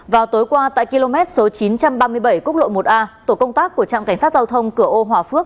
vào tối qua tại km chín trăm ba mươi bảy cúc lộ một a tổ công tác của trạm cảnh sát giao thông cửa âu hòa phước